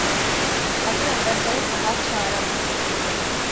அது அவர்கள் கலாச்சாரம்.